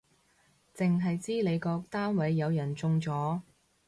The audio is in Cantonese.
剩係知你個單位有人中咗